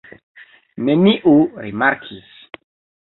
Neniu rimarkis!